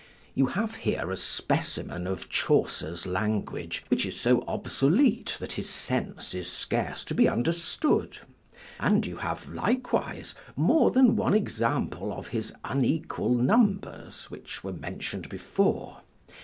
You have here a specimen of Chaucer's language, which is so obsolete that his sense is scarce to be understood; and you have likewise more than one example of his unequal numbers, which were mentioned before.